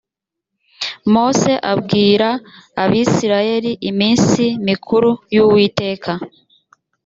mose abwira abisirayeli iminsi mikuru y uwiteka